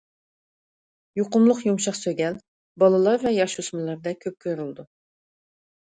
يۇقۇملۇق يۇمشاق سۆگەل: بالىلار ۋە ياش-ئۆسمۈرلەردە كۆپ كۆرۈلىدۇ.